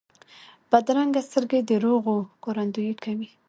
بدرنګه سترګې د دروغو ښکارندویي کوي